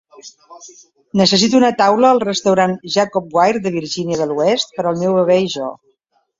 Necessito una taula al restaurant Jacob Wirth de Virgínia de l'Oest per al meu bebè i jo.